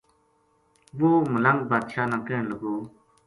و ہ ملنگ بادشاہ نا کہن لگو